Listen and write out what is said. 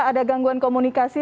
ada gangguan komunikasi